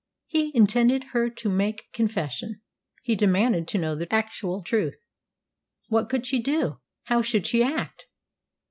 He intended her to make confession. He demanded to know the actual truth. What could she do? How should she act?